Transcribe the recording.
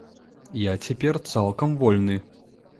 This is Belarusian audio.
Я цяпер цалкам вольны.